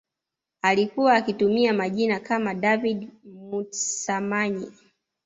Alikuwa akitumia majina kama David Mutsamanyi